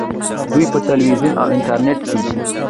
دوی په تلویزیون او انټرنیټ کې دي.